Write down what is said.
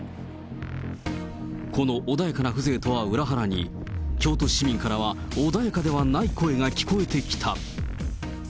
この穏やかな風情とは裏腹に、京都市民からは穏やかではない声が聞こえてきた。